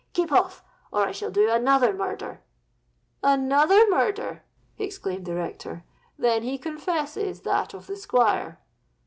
Keep off—or I shall do another murder!'—'Another murder!' exclaimed the rector: 'then he confesses that of the Squire!'